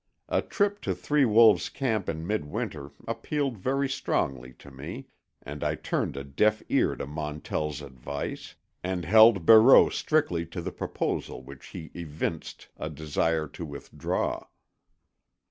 A trip to Three Wolves' camp in mid winter appealed very strongly to me, and I turned a deaf ear to Montell's advice, and held Barreau strictly to the proposal which he evinced a desire to withdraw.